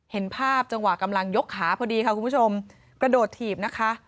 เห็นภาพจังหวะกำลังยกขาพอดีค่ะคุณผู้ชมกระโดดถีบนะคะ